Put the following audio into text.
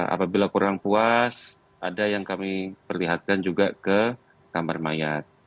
apabila kurang puas ada yang kami perlihatkan juga ke kamar mayat